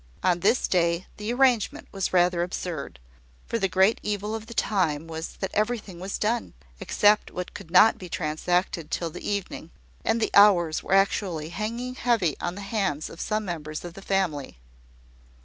On this day, the arrangement was rather absurd; for the great evil of the time was, that everything was done, except what could not be transacted till the evening; and the hours were actually hanging heavy on the hands of some members of the family.